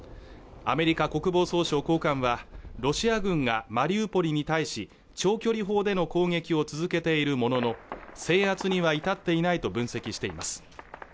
アメリカ国防総省高官はロシア軍がマリウポリに対し長距離砲での攻撃を続けているものの制圧には至っていないと分析しています